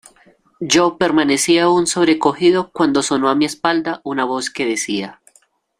yo permanecía aún sobrecogido cuando sonó a mi espalda una voz que decía: